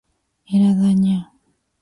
Era daña.